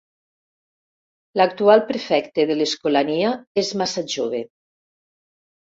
L'actual prefecte de l'Escolania és massa jove.